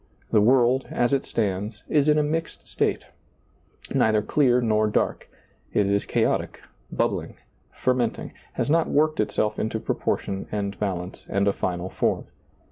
The world, as it stands, is in a mixed state — neither clear nor dark — it is chaotic, bubbling^, fermenting, has not worked itself into proportion and balance and a final form.